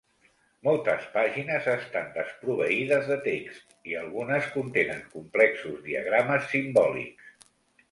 Moltes pàgines estan desproveïdes de text i algunes contenen complexos diagrames simbòlics.